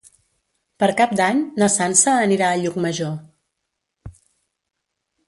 Per Cap d'Any na Sança anirà a Llucmajor.